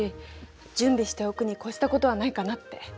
準備しておくに越したことはないかなって。